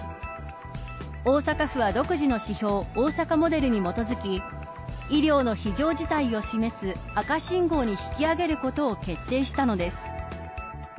大阪府は独自の指標、大阪モデルに基づき医療の非常事態を示す赤信号に引き上げることを決定したのです。